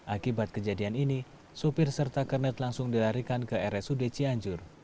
akibat kejadian ini supir serta kernet langsung dilarikan ke rsud cianjur